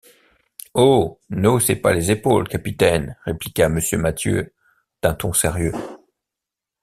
Oh! ne haussez pas les épaules, capitaine, répliqua Mr. Mathew d’un ton sérieux.